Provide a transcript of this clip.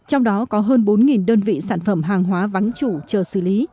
trong đó có hơn bốn đơn vị sản phẩm hàng hóa vắng chủ chờ xử lý